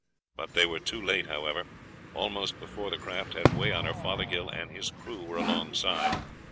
They were too late, however. Almost before the craft had way on her Fothergill and his crew were alongside.